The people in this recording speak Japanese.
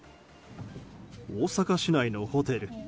大阪市内のホテル。